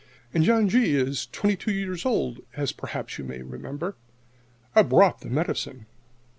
And John G. is twenty two years old, as perhaps you may remember. _I've brought the medicine.